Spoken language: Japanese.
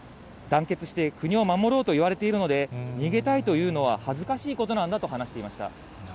団結して国を守ろうと言われているので、逃げたいというのは恥ずかしいことなんだと話していました。